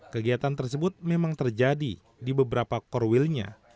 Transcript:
kegiatan tersebut memang terjadi di beberapa core wheel nya